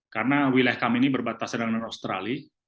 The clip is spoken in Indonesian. karena wilayah kami ini berbatasan dengan australia